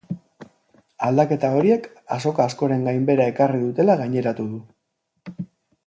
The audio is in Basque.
Aldaketa horiek azoka askoren ganbehera ekarri dutela gaineratu du.